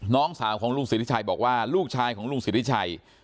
น้องสาวของลูกศิริชัยบอกว่าลูกชายของลูกศิริชัย